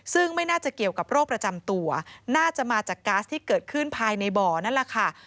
ซึ่งไม่น่าจะเกี่ยวกับโรคประจำตัวน่าจะมาจากก๊าซที่เกิดขึ้นภายในบ่อนั่นแหละค่ะ